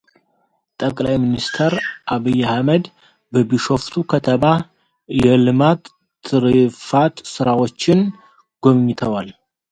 ጠቅላይ ሚኒስትር ዐቢይ አሕመድ በቢሾፍቱ ከተማ የሌማት ትሩፋት ስራዎችን ጎብኝተዋል።